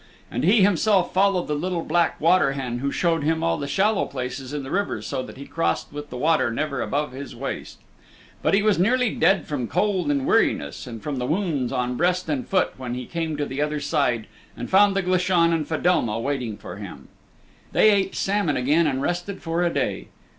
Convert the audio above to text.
And he himself followed the little black water hen who showed him all the shallow places in the river so that he crossed with the water never above his waist. But he was nearly dead from cold and weariness, and from the wounds on breast and foot when he came to the other side and found the Glashan and Fedelma waiting for him. They ate salmon again and rested for a day.